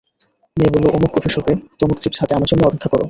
মেয়ে বললো অমুক কফিশপে, তমুক চিপস হাতে আমার জন্য অপেক্ষা কোরো।